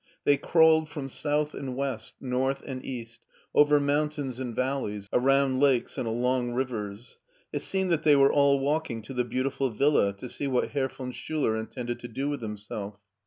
They crawled from south and west, north and cast, over mountains and valleys, around lakes and along rivers. It seemed that they were all walking to flie beautiful villa, to see what Herr von Schuler intended to do with himself.